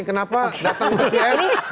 kenapa datang ke cnn